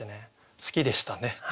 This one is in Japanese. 好きでしたね。